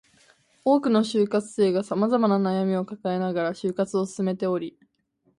多くの就活生が様々な悩みを抱えながら就活を進めており